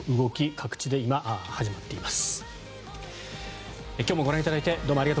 各地で今、始まっています。